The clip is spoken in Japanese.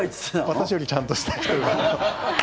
私よりちゃんとした人が。